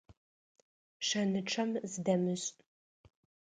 Шэнычъэм зыдэмышӏ.